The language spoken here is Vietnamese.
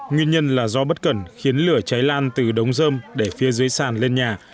nguyên nhân là do bất cẩn khiến lửa cháy lan từ đống dơm để phía dưới sàn lên nhà